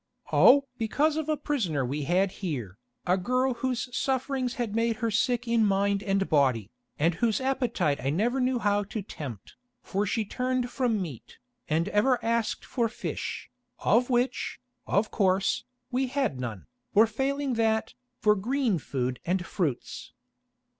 "Oh! because of a prisoner we had here, a girl whose sufferings had made her sick in mind and body, and whose appetite I never knew how to tempt, for she turned from meat, and ever asked for fish, of which, of course, we had none, or failing that, for green food and fruits."